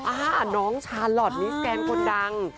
อ่าน้องชาลอทมิสแกนคนดัง